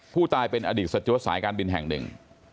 ผู้ตายเป็นอดีตสจวดสายการบินแห่งหนึ่ง